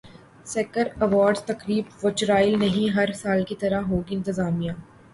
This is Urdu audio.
سکر ایوارڈز تقریب ورچوئل نہیں ہر سال کی طرح ہوگی انتظامیہ